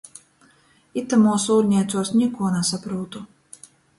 Itamuos ūļneicuos nikuo nasaprūtu.